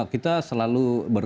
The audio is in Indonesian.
iya kita selalu berkomunikasi